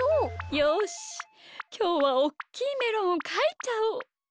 よしきょうはおっきいメロンをかいちゃおう。